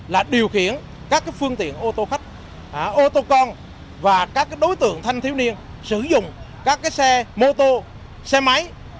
là điều khiển các phương tiện ô tô khách ô tô con và các đối tượng thanh thiếu niên sử dụng các xe mô tô xe máy